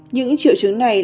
những triệu chứng này